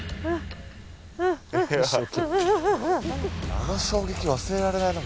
あの衝撃忘れられないな。